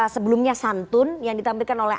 sebelumnya santun yang ditampilkan oleh